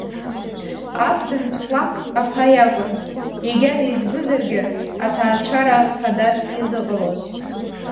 Аб данԥслак аԥа иакәын, егьа деиҵбызаргьы, аҭаацәара хадас иазыҟалоз.